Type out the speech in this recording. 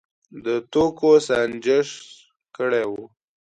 د توکو سنجش کړی و.